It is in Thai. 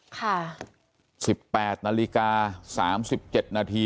๑๘นาฬิกา๓๗นาที